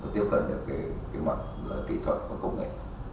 tiếp cận được mặt kỹ thuật và công nghệ